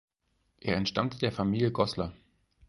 Er entstammte der Familie Goßler.